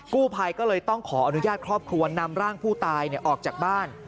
กู้ภัยก็เลยต้องขออนุญาตครอบครัวนำร่างผู้ตายออกจากบ้าน